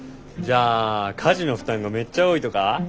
じゃあ家事の負担がめっちゃ多いとか？